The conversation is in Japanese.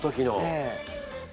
ええ。